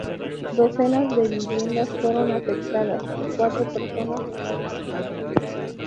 Docenas de viviendas fueron afectadas y cuatro personas resultaron muertas.